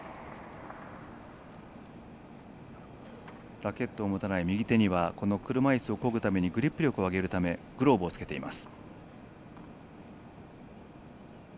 ラケットを持たない右手には車いすをこぐためにグリップ力を上げるためグローブをつけています。